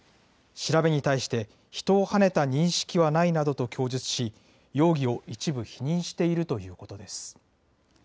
調べに対して、人をはねた認識はないなどと供述し、容疑を一部否認しているということです。